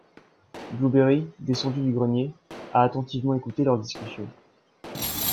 Blueberry, descendu du grenier, a attentivement écouté leur discussion.